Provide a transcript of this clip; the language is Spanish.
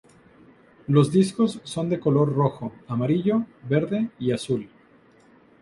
Los discos son de color rojo, amarillo, verde y azul.